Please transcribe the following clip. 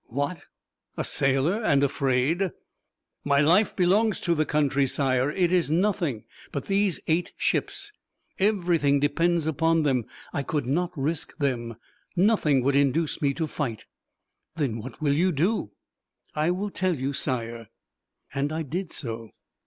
"What, a sailor and afraid?" "My life belongs to the country, Sire. It is nothing. But these eight ships everything depends upon them. I could not risk them. Nothing would induce me to fight." "Then what will you do?" "I will tell you, Sire." And I did so.